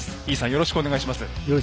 よろしくお願いします。